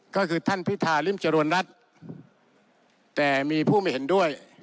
ก็คือท่านพิธาริมเจริญรัฐแต่มีผู้ไม่เห็นด้วย